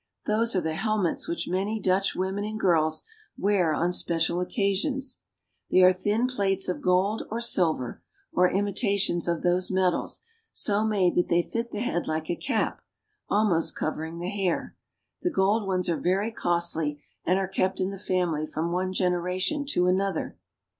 Those are the helmets which many Dutch women and girls wear on special occasions. They are thin plates of gold or silver, or imitations of those metals, so made that they fit the head like a cap, almost covering the hair. The gold ones are very costly, and are kept in the family from one generation to another.